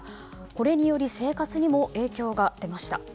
これにより生活にも影響が出ました。